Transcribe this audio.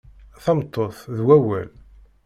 Tameṭṭut d wawal.